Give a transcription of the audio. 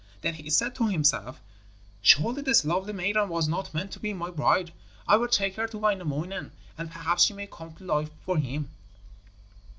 Then he said to himself: 'Surely this lovely maiden was not meant to be my bride. I will take her to Wainamoinen, and perhaps she may come to life for him.'